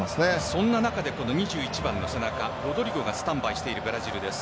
その中で２１番の背中ロドリゴがスタンバイしているブラジルです。